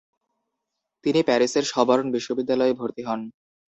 তিনি প্যারিসের সবর্ন বিশ্ববিদ্যালয়ে ভর্তি হন।